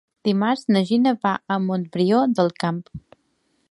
Dimarts na Gina va a Montbrió del Camp.